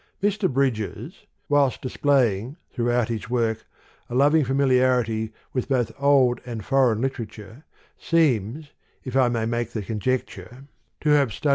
Mr. Bridges, whilst displaying throughout his work a loving familiarity with both old and foreign literature, seems, if I may make the conjecture, to have stud THE POEMS OF MR. BRIDGES.